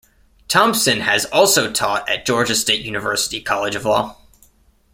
Thompson has also taught at Georgia State University College of Law.